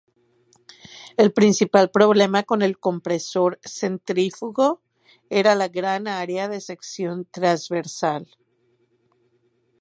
El principal problema con el compresor centrífugo era la gran área de sección trasversal.